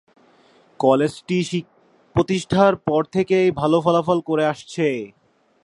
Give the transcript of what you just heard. কলেজটি প্রতিষ্ঠার পর থেকেই ভাল ফলাফল করে আসছে।